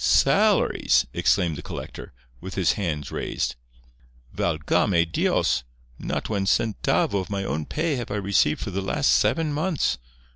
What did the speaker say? "Salaries!" exclaimed the collector, with hands raised; "Valgame Dios! not one centavo of my own pay have I received for the last seven months.